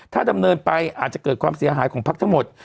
ถ้าดำเนินไปอาจจะเกิดความเสียหายของพักทั้งหมด